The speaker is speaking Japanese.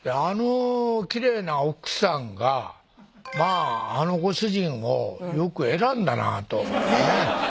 あのきれいな奥さんがまぁあのご主人をよく選んだなぁとねっ！